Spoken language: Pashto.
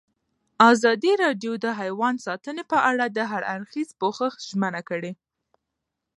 ازادي راډیو د حیوان ساتنه په اړه د هر اړخیز پوښښ ژمنه کړې.